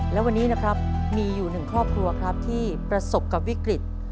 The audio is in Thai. และวันนี้นะครับมีอยู่หนึ่งครอบครัวครับที่ประสบกับวิกฤต